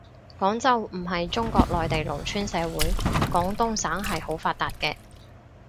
廣州唔係中國內地農村社會，廣東省係好發達嘅